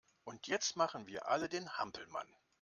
Und jetzt machen wir alle den Hampelmann!